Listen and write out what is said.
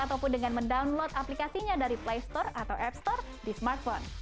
ataupun dengan mendownload aplikasinya dari play store atau app store di smartphone